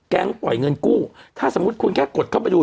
ปล่อยเงินกู้ถ้าสมมุติคุณแค่กดเข้าไปดู